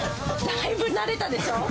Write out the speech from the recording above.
だいぶ慣れたでしょ。